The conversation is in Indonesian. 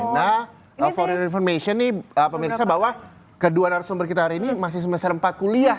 nah foreig reformation nih pemirsa bahwa kedua narasumber kita hari ini masih semester empat kuliah